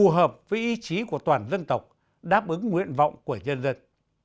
hợp với ý chí của toàn dân tộc đáp ứng nguyện vọng của nhân dân